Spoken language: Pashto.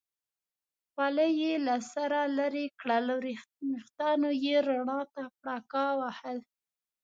خولۍ یې له سره لرې کړل، وریښتانو یې رڼا ته پړکا وهل.